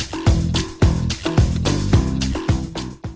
โปรดติดตามตอนต่อไป